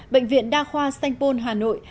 bệnh viện đa khoa sanh pôn hà nội